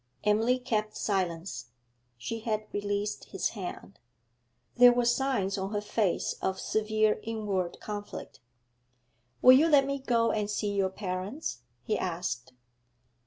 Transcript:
Emily kept silence. She had released his hand. There were signs on her face of severe inward conflict. 'Will you let me go and see your parents?' he asked.